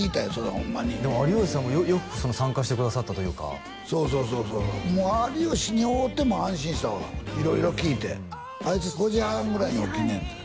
ほんまに有吉さんもよく参加してくださったというかそうそうそうそう有吉に会うてもう安心したわ色々聞いてあいつ５時半ぐらいに起きんねんて